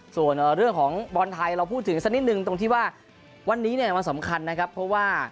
ส่วนให้เราพูดถึงสักนิดนึงว่าวันนี้เป็นทางสำคัญเพราะว่า